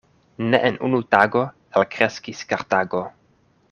Ne en unu tago elkreskis Kartago.